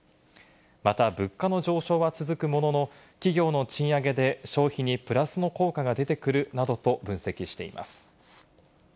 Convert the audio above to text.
また物価の上昇は続くものの、企業の賃上げで消費にプラスの効果が出てくるなどと分析しています。